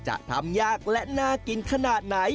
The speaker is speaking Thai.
จะทำยากและน่ากินขนาดไหน